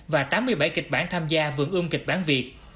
và tám mươi bảy kịch bản tham gia vượng ương kịch bản việt